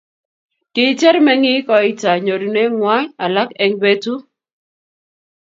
kicher meng'ik ko aita nyoruneng'wany alak eng' betu